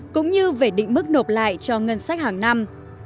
cũng như về định mức nộp lại cho ngân sách hàng năm